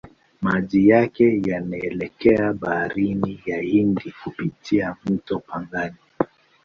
Maji yake yanaelekea Bahari ya Hindi kupitia mto Pangani.